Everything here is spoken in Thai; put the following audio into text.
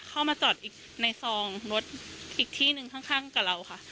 เข้ามาจอดอีกในซองรถอีกที่หนึ่งข้างกับเราค่ะ